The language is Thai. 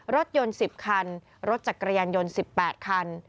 รถยนต์๑๐คันรถจักรยานยนต์๑๘คัน